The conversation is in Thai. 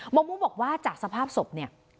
หมอหมูบอกว่าจากสภาพสบเนี่ยคาดแบบนี้ว่า